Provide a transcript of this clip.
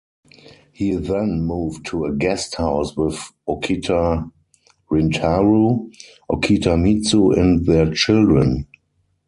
He then moved to a guesthouse with Okita Rintarou, Okita Mitsu, and their children.